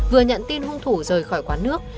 vừa nhận tin hung thủ rời khỏi quán nước